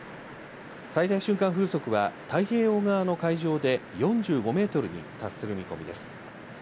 最大瞬間風速は太平洋側の海上で４５メートルに達する見込みです。